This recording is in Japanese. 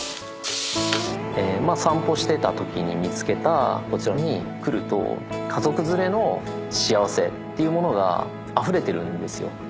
散歩してたときに見つけたこちらに来ると家族連れの幸せっていうものがあふれてるんですよ。